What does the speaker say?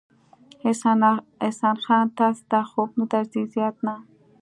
احسان خان، تاسې ته خوب نه درځي؟ زیات نه.